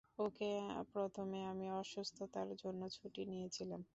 ওকে, প্রথমে আমি অসুস্থতার জন্য ছুটি নিয়েছিলাম।